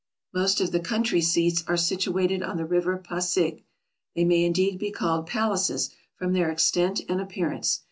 Most of the country seats are situated on the river Pasig ; they may indeed be called pal aces, from their extent and appearance.